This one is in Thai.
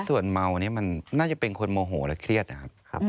ส่วนเมาอันนี้มันน่าจะเป็นคนโมโหและเครียดนะครับ